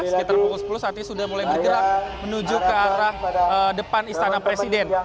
sekitar pukul sepuluh saat ini sudah mulai bergerak menuju ke arah depan istana presiden